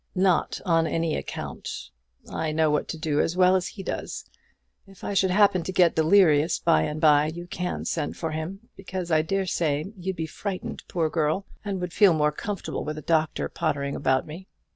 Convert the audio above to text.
"Not on any account. I know what to do as well as he does. If I should happen to get delirious by and by, you can send for him, because I dare say you'd be frightened, poor girl, and would feel more comfortable with a doctor pottering about me.